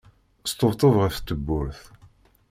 Sṭebṭeb ɣef tewwurt.